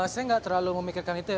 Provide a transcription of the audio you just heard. saya gak terlalu memikirkan itu